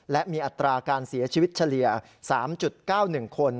และมีอัตราการเสียชีวิตเฉลี่ย๓๙๑คน